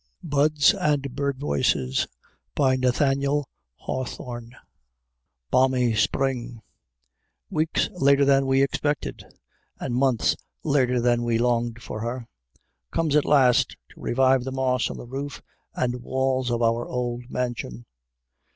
BUDS AND BIRD VOICES NATHANIEL HAWTHORNE Balmy Spring weeks later than we expected, and months later than we longed for her comes at last to revive the moss on the roof and walls of our old mansion.